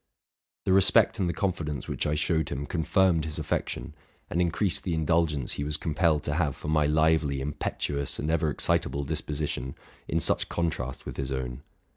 'The respect and the confidence which I showed him confirmed his affec tion, and increased the indulgence he was compelled to have for my lively, impetuous, and ever excitable disposition, in such contrast with his own.